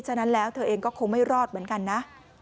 ฉะนั้นแล้วเธอเองก็คงไม่รอดเหมือนกันนะ